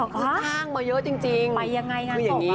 กูช่างมาเยอะจริง